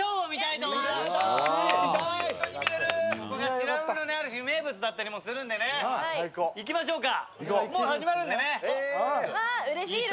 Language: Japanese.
美ら海のある種、名物だったりするので、行きましょうか。